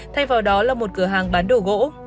thay vào đó là một cửa hàng bán đồ gỗ